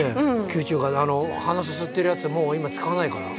吸虫管であの鼻すすってるやつもう今使わないから。